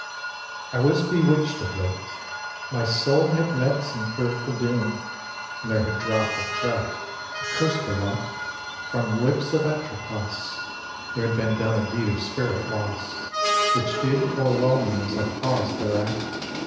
xvi. I was bewitch'd of late! My soul had met Some fearful doom; and there had dropt a threat, A curse belike, from lips of Atropos. There had been done a deed of spirit loss Which did o'erwhelm me as I paused thereat.